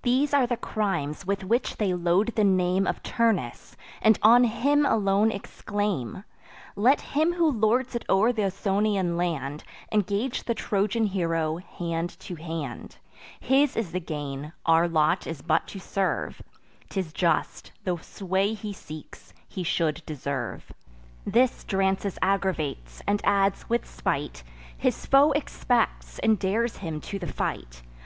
These are the crimes with which they load the name Of Turnus, and on him alone exclaim: "Let him who lords it o'er th' Ausonian land Engage the Trojan hero hand to hand: His is the gain; our lot is but to serve; 'Tis just, the sway he seeks, he should deserve." This Drances aggravates; and adds, with spite: "His foe expects, and dares him to the fight."